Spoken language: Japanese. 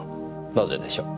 なぜでしょう？